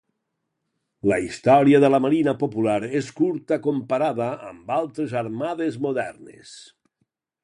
La història de la Marina Popular és curta comparada amb altres Armades modernes.